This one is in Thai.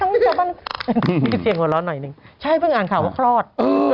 มีเสียงหัวล้อหน่อยหนึ่งใช่เพิ่งอ่านข่าวว่าคลอด